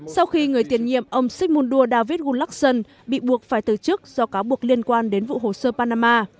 sau khi người tiền nhiệm ông sigmundur david gulagson bị buộc phải từ chức do cáo buộc liên quan đến vụ hồ sơ panama